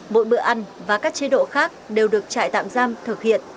mỗi bữa ăn và các chế độ khác đều được trại tạm giam thực hiện